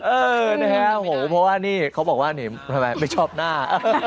เออนะฮะโหเพราะว่านี่เขาบอกว่าไม่ชอบหน้า